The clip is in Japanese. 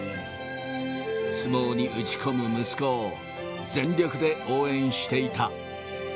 相撲に打ち込む息子を全力で応援していた。